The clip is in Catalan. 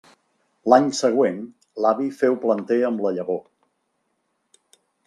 L'any següent l'avi féu planter amb la llavor.